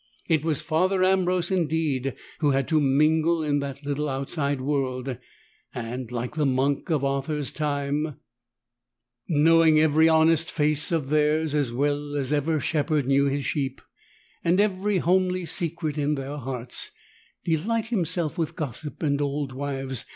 It was Father Ambrose indeed who had to mingle in that little outside world, and, like the monk of Arthur's time, Knowing every honest face of theirs As well as ever shepherd knew his sheep, And every homely secret in their hearts, Delight himself with gossip and old wives.